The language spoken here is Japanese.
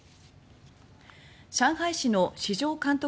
上海市の市場監督